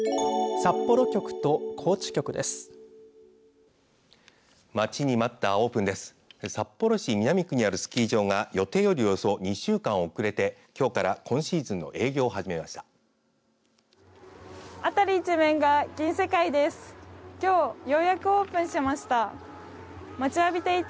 札幌市南区にあるスキー場が予定より、およそ２週間遅れてきょうから今シーズンの営業を始めました。